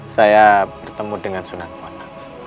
saya bertemu dengan sunan ponang